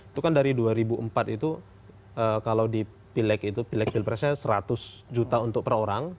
itu kan dari dua ribu empat itu kalau di pileg itu pilek pilpresnya seratus juta untuk per orang